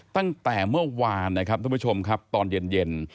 ตั้งแต่เมื่อวานนะครับทุกผู้ชมครับตอนเย็น